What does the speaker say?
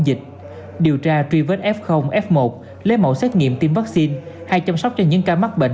dịch điều tra truy vết f f một lấy mẫu xét nghiệm tiêm vaccine hay chăm sóc cho những ca mắc bệnh